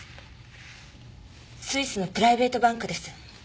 スイスのプライベートバンクです。